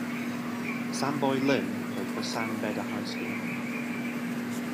Samboy Lim played for San Beda High School.